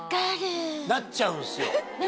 なっちゃうんすよ。